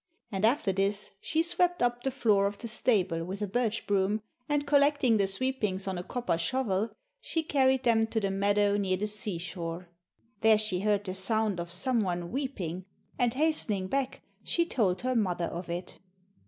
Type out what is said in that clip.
And after this she swept up the floor of the stable with a birch broom, and collecting the sweepings on a copper shovel, she carried them to the meadow near the seashore. There she heard the sound of some one weeping, and hastening back she told her mother of it.